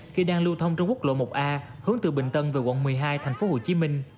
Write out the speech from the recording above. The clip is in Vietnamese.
khi đang lưu thông trung quốc lộ một a hướng từ bình tân về quận một mươi hai tp hcm